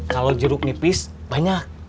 kalau jeruk nipis banyak